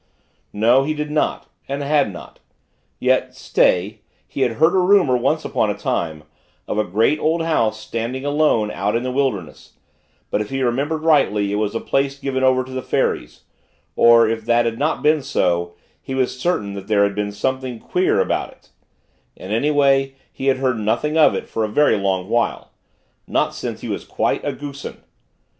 No, he did not, and had not; yet, stay, he had heard a rumor, once upon a time, of a great, old house standing alone out in the wilderness; but, if he remembered rightly it was a place given over to the fairies; or, if that had not been so, he was certain that there had been something "quare" about it; and, anyway, he had heard nothing of it for a very long while not since he was quite a gossoon.